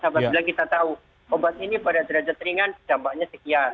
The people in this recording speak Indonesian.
apabila kita tahu obat ini pada derajat ringan dampaknya sekian